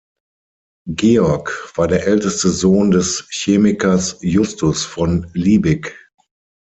Georg war der älteste Sohn des Chemikers Justus von Liebig.